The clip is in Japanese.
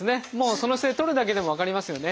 その姿勢とるだけでも分かりますよね。